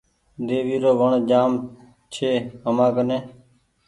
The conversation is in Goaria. ۮيوي رو وڻ جآم ڇي همآ ڪني